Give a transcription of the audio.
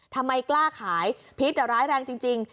ทำไมกล้าขายพิษร้ายแรงจริง